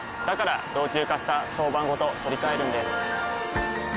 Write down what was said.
から老朽化した床版ごと取り替えるんです。